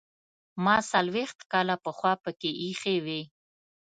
ما څلوېښت کاله پخوا پکې ایښې وې.